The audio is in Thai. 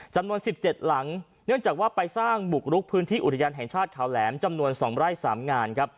จำนวน๑๗หลังเนื่องจากว่าไปสร้างบุกรุกพื้นที่อุทยานแห่งชาติเขาแหลมจำนวน๒ไร่๓งานครับ